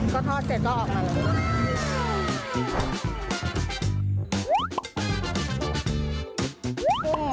ก็ทอด๗รอบมาเลย